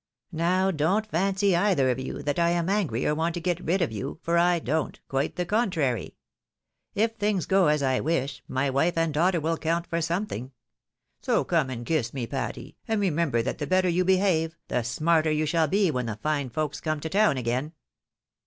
Now, don't fancy, either of you, that I am angry, or want to get rid of you — for I don't^quite the contrary. If things go as I wish, my wife and daughter Avill count for something. So come and kiss me, Patty, and remem ber that the better you behave, the smarter you shall be when the fine folks come to town again."